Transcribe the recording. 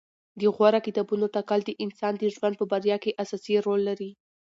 د غوره کتابونو ټاکل د انسان د ژوند په بریا کې اساسي رول لري.